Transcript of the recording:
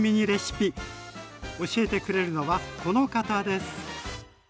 教えてくれるのはこの方です！